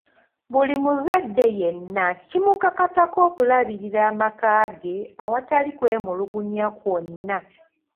Buli muzadde yenna kimukakatako okulabirira amaka ge awatali kw’emulugunya kwonna.